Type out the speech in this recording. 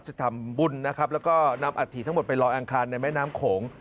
จะทำบุญนะครับแล้วก็นำอัฐิทั้งหมดไปลอยอังคารในแม่น้ำโขง